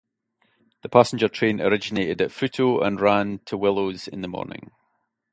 The passenger train originated at Fruto and ran to Willows in the morning.